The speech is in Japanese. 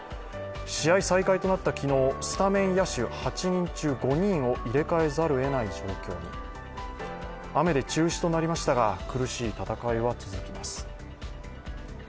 試合再開となった昨日、スタメン野手８人中５人を入れ替えざるをえない状況に雨で中止となりましたが、苦しい戦いは続きます。